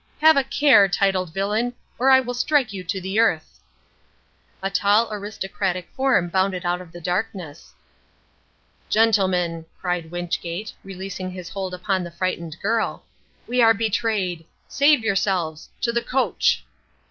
Have a care, titled villain, or I will strike you to the earth." A tall aristocratic form bounded out of the darkness. "Gentlemen," cried Wynchgate, releasing his hold upon the frightened girl, "we are betrayed. Save yourselves. To the coach."